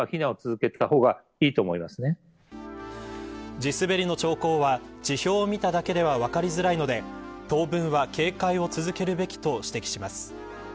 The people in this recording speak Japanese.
地滑りの兆候は地表を見ただけでは分かりづらいので当分は、警戒を続けるべきと指摘します。